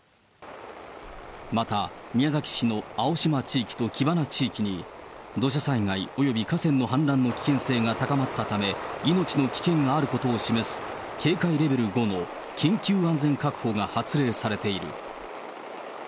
また、宮崎市の青島地域と木花地域に、土砂災害及び河川の氾濫の危険性が高まったため、命の危険があることを示す警戒レベル５の緊急安全確保が発令されている。